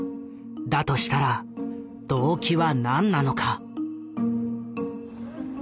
だとしたら動機は何なのか。